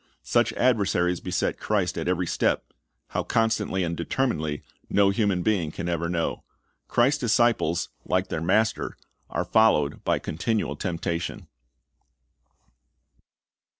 Such adversaries beset Christ at every step, how constantly and determinedly no human being can ever know. Christ's discii)les, like their Master, are followed by continual temptation.